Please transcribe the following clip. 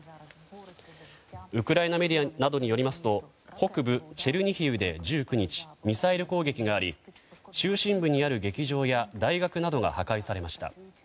ウクライナメディアなどによりますと北部チェルニヒウで１９日ミサイル攻撃があり中心部にある劇場や大学などが破壊されました。